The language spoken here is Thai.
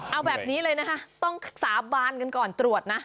เอาแบบนี้เลยนะคะต้องสาบานกันก่อนตรวจนะ